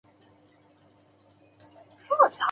它们都是生产各种军事装备的公司。